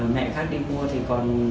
mẹ khác đi mua thì còn